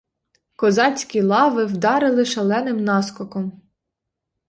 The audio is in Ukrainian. Козацькі лави вдарили шаленим наскоком.